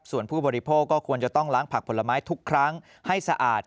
ส่วนผู้บริโภคก็ควรจะต้องล้างผักผลไม้ทุกครั้งให้สะอาด